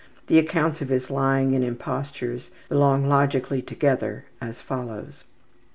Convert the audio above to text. The accounts of his lying and impostures belong logically together, as follows.